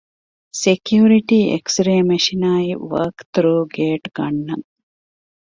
ސެކިޔުރިޓީ އެކްސްރޭ މެޝިނާއި ވޯކްތުރޫ ގޭޓް ގަންނަން